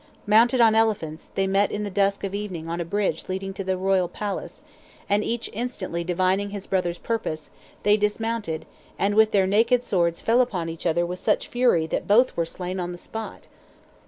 Mounted on elephants, they met in the dusk of evening on a bridge leading to the Royal Palace; and each instantly divining his brother's purpose, they dismounted, and with their naked swords fell upon each other with such fury that both were slain on the spot.